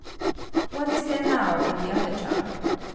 ] hat is there now in the other jar?